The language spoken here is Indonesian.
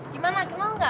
gimana kenal enggak